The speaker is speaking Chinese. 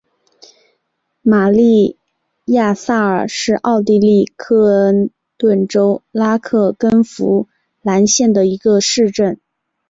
玛丽亚萨尔是奥地利克恩顿州克拉根福兰县的一个市镇。